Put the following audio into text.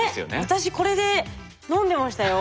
私これで飲んでましたよ。